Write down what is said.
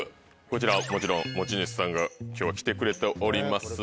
こちらもちろん持ち主さんが今日は来てくれております。